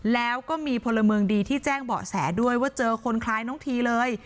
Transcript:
แล้วก็มีพลเมืองดีที่แจ้งเบาะแสด้วยว่าเจอคนคล้ายน้องทีเลย